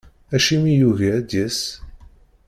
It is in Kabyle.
Acimi i yugi ad d-yas?